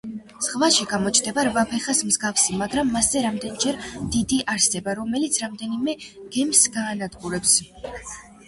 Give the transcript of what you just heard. ზღვაში გამოჩნდება რვაფეხას მსგავსი, მაგრამ მასზე რამდენიმეჯერ დიდი არსება, რომელიც რამდენიმე გემს გაანადგურებს.